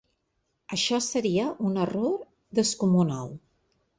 Això seria un error descomunal.